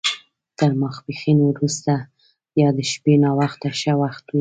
تر ماسپښین وروسته یا د شپې ناوخته ښه وخت دی.